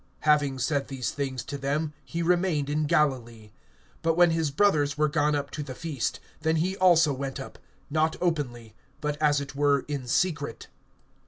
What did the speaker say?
(9)Having said these things to them, he remained in Galilee. (10)But when his brothers were gone up to the feast, then he also went up, not openly, but as it were in secret.